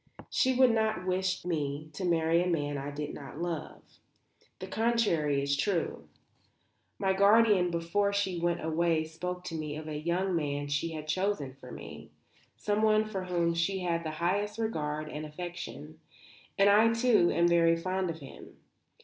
She would not wish me to marry a man I did not love. The contrary is true. My guardian before she went away spoke to me of a young man she had chosen for me, someone for whom she had the highest regard and affection; and I, too, am very fond of him.